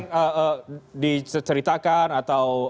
apa yang diceritakan atau